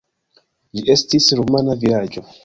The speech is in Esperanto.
Ĝi estis rumana vilaĝo.